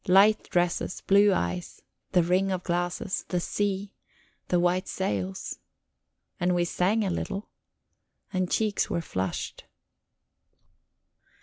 Light dresses, blue eyes, the ring of glasses, the sea, the white sails. And we sang a little. And cheeks were flushed.